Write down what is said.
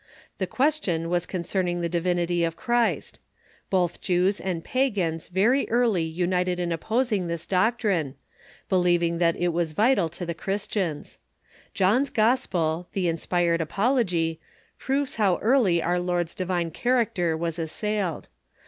The question was con cerning the divinity of Christ. Both Jews and Rise of Arianism ^ i ^ i •• ^t •^ pagans very early united in opposing this doc trine, believing that it was vital to the Christians. John's Gospel, the inspired apology, proves how early our Lord's di vine character was assailed.